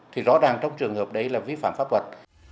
thì rõ ràng trong trường hợp đấy là vi phạm pháp luật